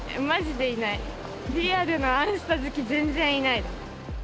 リアルな「あんスタ」好き全然いない。